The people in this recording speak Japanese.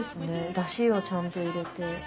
だしをちゃんと入れて。